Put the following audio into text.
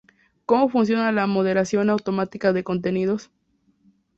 Cómo funciona la Moderación Automática de Contenidos